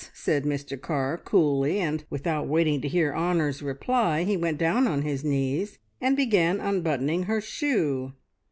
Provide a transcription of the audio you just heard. said Mr Carr coolly, and without waiting to hear Honor's reply, he went down on his knees, and began unbuttoning her shoe.